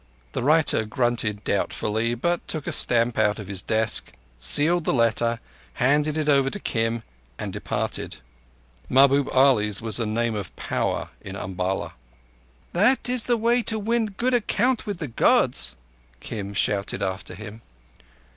The writer grunted doubtfully, but took a stamp out of his desk, sealed the letter, handed it over to Kim, and departed. Mahbub Ali's was a name of power in Umballa. "That is the way to win a good account with the Gods," Kim shouted after him.